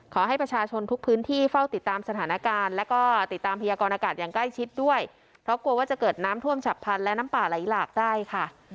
ขอให้ประชาชนทุกพื้นที่เฝ้าติดตามสถานการณ์แล้วก็ติดตามพยากรณากาศอย่างใกล้ชิดด้วยเพราะกลัวว่าจะเกิดน้ำท่วมฉับพันธ์และน้ำป่าไหลหลากได้ค่ะ